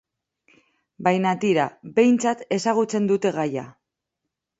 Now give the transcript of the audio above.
Baina tira, behintzat ezagutzen dute gaia.